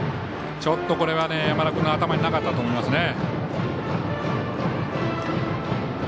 ちょっと、これは山田君の頭になかったと思います。